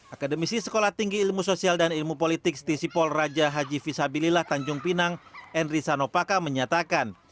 akademisi sekolah tinggi ilmu sosial dan ilmu politik stisipol raja haji visabilillah tanjung pinang enri sanopaka menyatakan